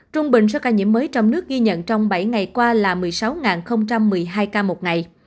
trung bình số ca nhiễm mới trong nước ghi nhận trong bảy ngày qua là một mươi sáu một mươi hai ca một ngày